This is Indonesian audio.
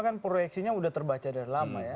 kan proyeksinya sudah terbaca dari lama ya